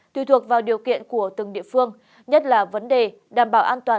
tùy thuộc vào điều kiện của từng địa phương nhất là vấn đề đảm bảo an toàn